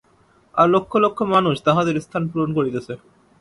আর লক্ষ লক্ষ মানুষ তাহাদের স্থান পূরণ করিতেছে।